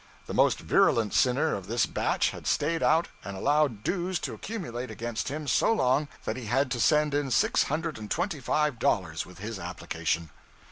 The most virulent sinner of this batch had stayed out and allowed 'dues' to accumulate against him so long that he had to send in six hundred and twenty five dollars with his application.